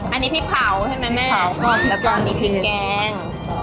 อันนี้พี่เผาใช่ไหมแม่พี่เผาแล้วตอนนี้พิงแกง